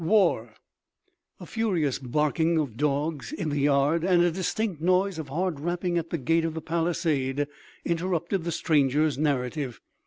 WAR!" A furious barking of dogs in the yard and a distinct noise of hard rapping at the gate of the palisade interrupted the stranger's narrative.